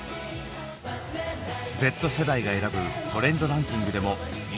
「Ｚ世代が選ぶトレンドランキング」でも１位を獲得。